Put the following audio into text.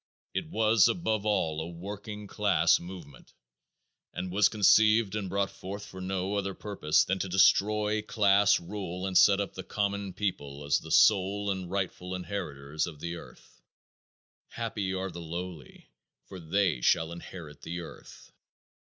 It was above all a working class movement and was conceived and brought forth for no other purpose than to destroy class rule and set up the common people as the sole and rightful inheritors of the earth. "Happy are the lowly for they shall inherit the earth."